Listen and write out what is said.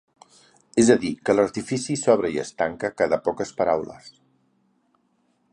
És a dir, que l'artifici s'obre i es tanca cada poques paraules.